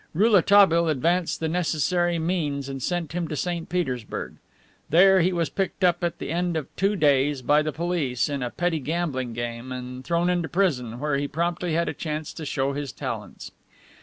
Rouletabille advanced the necessary means and sent him to St. Petersburg. There he was picked up at the end of two days by the police, in a petty gambling game, and thrown into prison, where he promptly had a chance to show his talents.